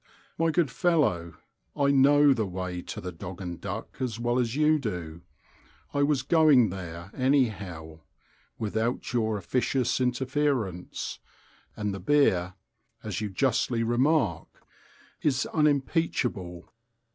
My good fellow, I know the way to the Dog and Duck as well as you do: I was going there anyhow, without your officious interference—and the beer, as you justly remark, is unimpeachable.